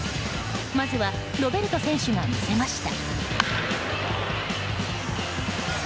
まずはロベルト選手が見せました。